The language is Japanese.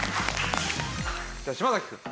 じゃあ島崎くん。